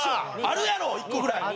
あるやろ１個ぐらい。